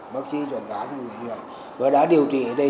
bệnh viện ung biếu hà nội